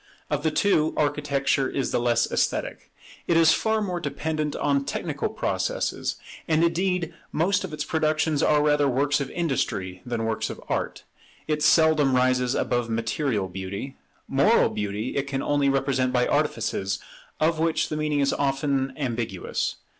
Of the two, Architecture is the less esthetic. It is far more dependent on technical processes; and indeed most of its productions are rather works of industry than works of art. It seldom rises above material beauty: moral beauty it can only represent by artifices, of which the meaning is often ambiguous.